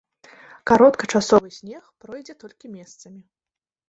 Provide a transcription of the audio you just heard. Кароткачасовы снег пройдзе толькі месцамі.